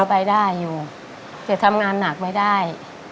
ไปได้อยู่แต่ทำงานหนักไม่ได้